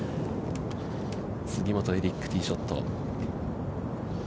杉本エリック、ティーショット。